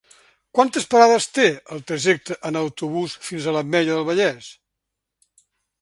Quantes parades té el trajecte en autobús fins a l'Ametlla del Vallès?